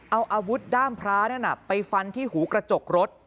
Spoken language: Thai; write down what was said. เอาอาวุธด้ามพระนั่นไปฟันที่หูกระจกรถ